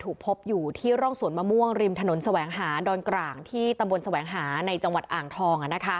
ถูกพบอยู่ที่ร่องสวนมะม่วงริมถนนแสวงหาดอนกลางที่ตำบลแสวงหาในจังหวัดอ่างทอง